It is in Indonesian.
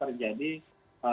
terima kasih pak